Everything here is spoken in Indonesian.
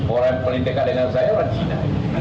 orang yang berpengalaman dengan saya adalah cina